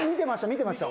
見てました。